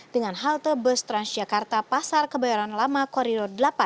dengan halte bus transjakarta pasar kebayoran lama koridor delapan